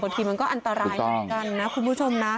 ทีมันก็อันตรายเหมือนกันนะคุณผู้ชมนะ